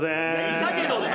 いたけどね。